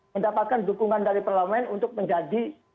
mendapatkan dukungan dari parlemen untuk menjadi